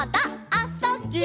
「あ・そ・ぎゅ」